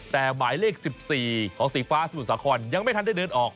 แต่หมายเลข๑๔ของสีฟ้าสมุทรสาครยังไม่ทันได้เดินออก